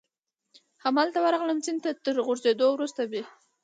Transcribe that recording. همالته ورغلم، سیند ته تر غورځېدو وروسته مې.